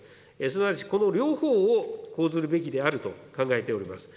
すなわちこの両方を講ずるべきであると考えております。